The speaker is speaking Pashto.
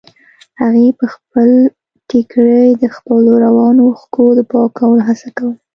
هغې په ټيکري د خپلو روانو اوښکو د پاکولو هڅه کوله.